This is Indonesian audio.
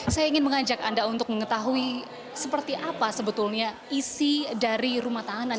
saya ingin mengajak anda untuk mengetahui seperti apa sebetulnya isi dari rumah tahanan